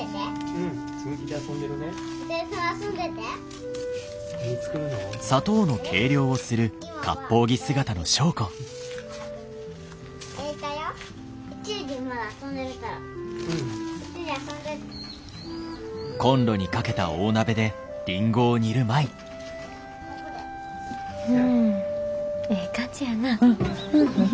うんええ感じやな。